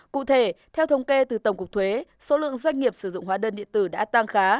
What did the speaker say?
cụ thể theo thống kê từ tổng cục thuế số lượng doanh nghiệp sử dụng hóa đơn điện tử đã tăng khá